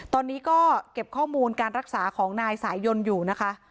ตอนนี้ก็เก็บข้อมูลการรักษาของนายสายยนต์อยู่นะคะ